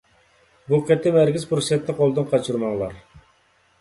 بۇ قېتىم ھەرگىز پۇرسەتنى قولدىن قاچۇرماڭلار!